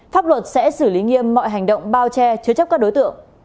pháp luật sẽ xử lý nghiêm mọi hành động bao che chứa chấp các đối tượng